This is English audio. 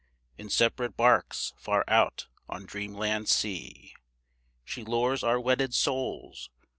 In separate barques far out on dreamland's sea, She lures our wedded souls.